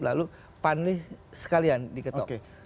lalu panli sekalian diketok